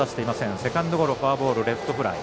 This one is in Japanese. セカンドゴロ、フォアボールレフトフライ。